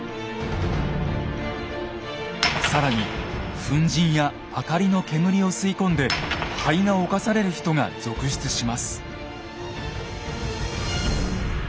更に粉じんや明かりの煙を吸い込んで肺が侵される人が続出します。